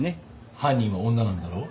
犯人は女なんだろ？